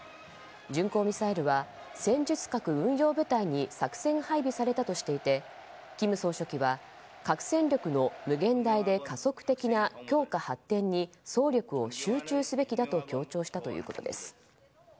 巡航ミサイルは戦術核運用部隊に作戦配備されたとしていて金総書記は核戦力の無限大で加速的な強化発展に総力を集中すべきだと強調したということです。